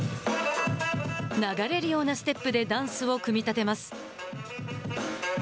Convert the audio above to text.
流れるようなステップでダンスを組み立てます。